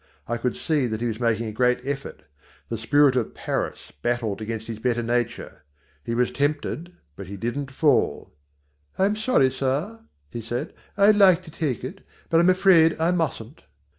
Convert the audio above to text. I could see that he was making a great effort. The spirit of Paris battled against his better nature. He was tempted, but he didn't fall. "I'm sorry, sir," he said. "I'd like to take it, but I'm afraid I mustn't."